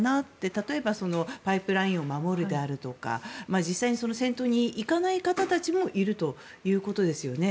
例えばパイプラインを守るであるとか実際に戦闘に行かない方たちもいるということですよね。